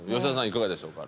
いかがでしょうか？